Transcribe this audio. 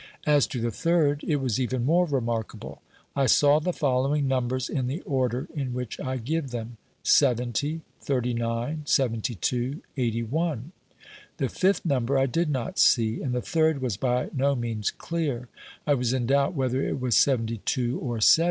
As to the third, it was even more remarkable : I saw the following numbers in the order in which I give them — 70, 39, 72, 81. The fifth number I did not see, and the third was by no means clear; I was in doubt whether it was 72 or 70.